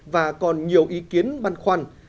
và còn nhiều ý kiến băn khoăn